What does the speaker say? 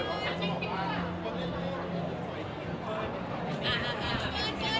มันยอดทั้งประโยคเกิด